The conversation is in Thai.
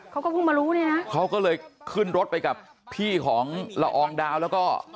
เขาก็เพิ่งมารู้เนี่ยนะเขาก็เลยขึ้นรถไปกับพี่ของละอองดาวแล้วก็